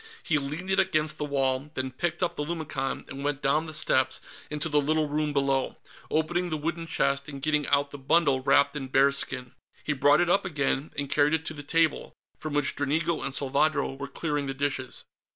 He leaned it against the wall, then picked up the lumicon and went down the steps into the little room below, opening the wooden chest and getting out the bundle wrapped in bearskin. He brought it up again and carried it to the table, from which Dranigo and Salvadro were clearing the dishes.